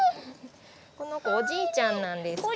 この子おじいちゃんなんですけど。